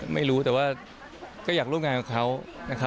ไม่รู้แต่ว่าก็อยากร่วมงานกับเขานะครับ